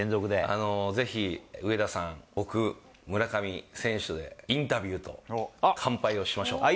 ぜひ、上田さん、僕、村上選手とでインタビューと乾杯をしましょう。